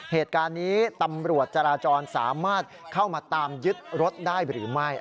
เหตุการณ์นี้ตำรวจจราจรสามารถเข้ามาตามยึดรถได้หรือไม่